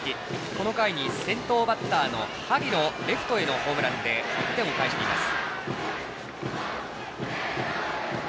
この回に先頭バッターの萩のレフトへのホームランで１点を返しています。